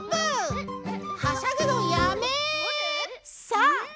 さあ！